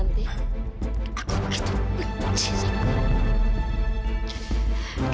aku benci sangat kamu